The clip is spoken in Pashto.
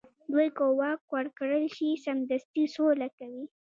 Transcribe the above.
دوی که واک ورکړل شي، سمدستي سوله کوي.